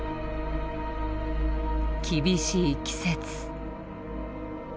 厳しい季節。